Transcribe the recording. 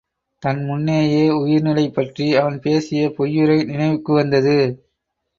தன் முன்னேயே உயிர் நிலை பற்றி அவன் பேசிய பொய்யுரை நினைவுக்கு வந்தது.